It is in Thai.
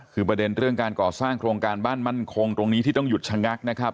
คือประเด็นเรื่องการก่อสร้างโครงการบ้านมั่นคงตรงนี้ที่ต้องหยุดชะงักนะครับ